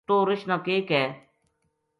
توہ رچھ نا کے کہے